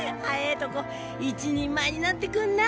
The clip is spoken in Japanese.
えぇとこ一人前になってくんな。